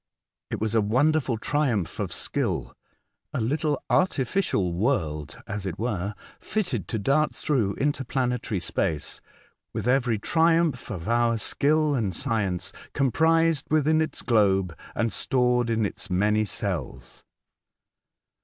It was a wonderful triumph of skill — a little artificial world, as it were, fitted to dart through inter planetary space with every triumph of our skill and science comprised within its globe and stored in its many cells.